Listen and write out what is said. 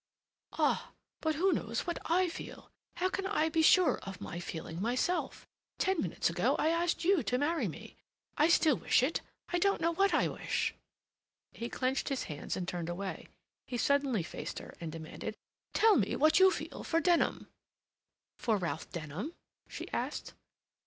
"Ah, but who knows what I feel? How can I be sure of my feeling myself? Ten minutes ago I asked you to marry me. I still wish it—I don't know what I wish—" He clenched his hands and turned away. He suddenly faced her and demanded: "Tell me what you feel for Denham." "For Ralph Denham?" she asked.